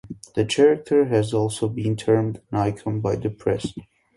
The character has also been termed an icon by the press.